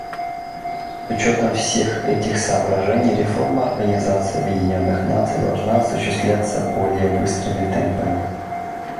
С учетом всех этих соображений реформа Организации Объединенных Наций должна осуществляться более быстрыми темпами.